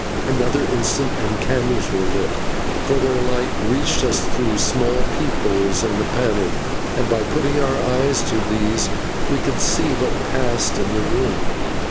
Another instant and candles were lit, for their light reached us through small peep holes in the panel, and by putting our eyes to these we could see what passed in the room.